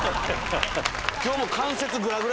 今日も。